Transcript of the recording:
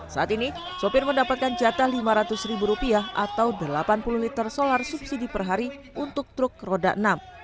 saat ini sopir mendapatkan jatah lima ratus ribu rupiah atau delapan puluh liter solar subsidi per hari untuk truk roda enam